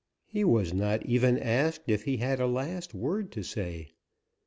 He was not even asked if he had a last word to say.